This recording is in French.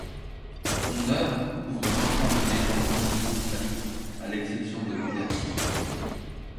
Son œuvre couvre l'ensemble des genres musicaux classiques, à l'exception de l'opéra.